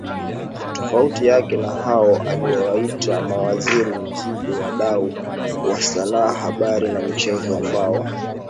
tofauti yake na hao aliowaita mawaziri mizigoWadau wa sanaa habari na michezo ambao